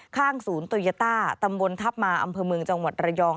ข้างศูนย์โตยาต้าตำบลทัพมาอำเภอเมืองจังหวัดระยอง